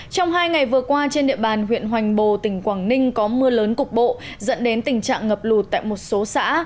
trong hai ngày vừa qua trên địa bàn huyện hoành bồ tỉnh quảng ninh có mưa lớn cục bộ dẫn đến tình trạng ngập lụt tại một số xã